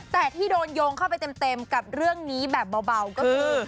แต่ที่โดนโยงเข้าไปเต็มกับเรื่องนี้แบบเบาก็คือ